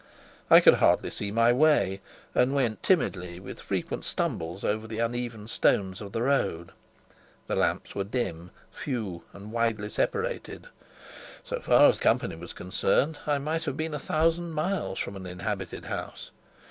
I could hardly see my way, and went timidly, with frequent stumbles over the uneven stones of the road. The lamps were dim, few, and widely separated; so far as company was concerned, I might have been a thousand miles from an inhabited house.